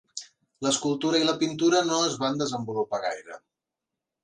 L'escultura i la pintura no es van desenvolupar gaire.